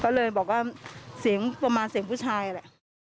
ก็เลยบอกว่าเสียงประมาณเสียงผู้ชายแหละ